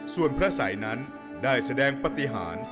ส่วนพระสัยนั้นได้แสดงปฏิหาร